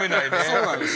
そうなんです。